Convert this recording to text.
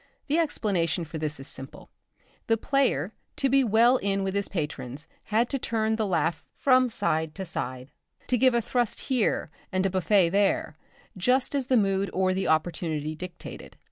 The explanation for this is simple. The player, to be well in with his patrons, had to turn the laugh from side to side, to give a thrust here and a buffet there, just as the mood or the opportunity dictated.